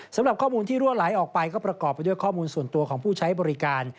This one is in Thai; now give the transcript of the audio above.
สำหรับข้อมูลที่รั่วไหลออกไปก็ประกอบไปด้วยข้อมูลส่วนตัวของผู้ใช้บริการ